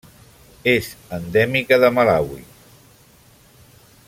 És endèmica de Malawi.